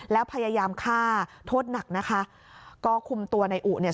แล้วพยายามฆ่าโทษหนักนะคะก็คุมตัวในอุเนี่ย